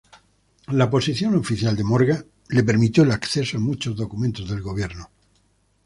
La posición oficial de Morga le permitió el acceso a muchos documentos del gobierno.